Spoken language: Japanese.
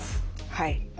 はい。